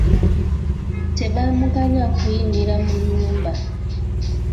Tebaamuganya kuyingira mu nnyumba.